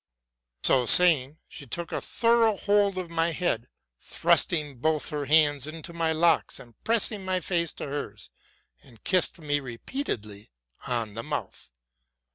'' So saying, she took a thorough hold of my head, thrusting both her hands into my locks and pressing my face to hers, and kissed me repeatedly on the mouth.